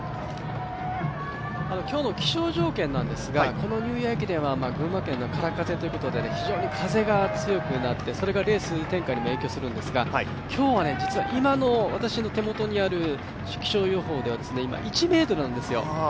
今日の気象条件なんですが、この群馬県は群馬県の空っ風ということで、非常に風が強くなってレース展開に影響するんですが、今日は実は今の私の手元になる気象予報では今１ｍなんですよ。